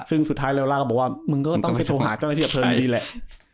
ซึ่งสุดท้ายเลล่าก็บอกว่ามึงก็ต้องไปโทรหาเจ้าหน้าที่นี่แหละ